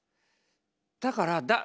だから